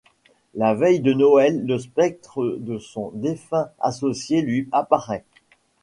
La veille de Noël, le spectre de son défunt associé lui apparaît.